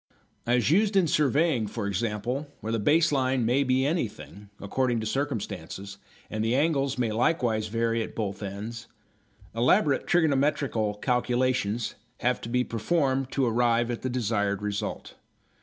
As used in surveying, for example, where the base line may be anything, according to circumstances, and the angles may likewise vary at both ends, elaborate trigonometrical calculations have to be performed to arrive at the desired result.